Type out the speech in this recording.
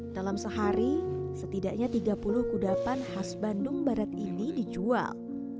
dalam sehari setidaknya tiga puluh kudapan khas bandung barat ini dijual